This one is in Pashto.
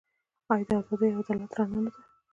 آیا د ازادۍ او عدالت رڼا نه ده؟